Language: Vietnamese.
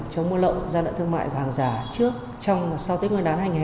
chống mưa lộn gian lận thương mại và hàng giả trước trong sau tết nguyên đáng hai nghìn hai mươi bốn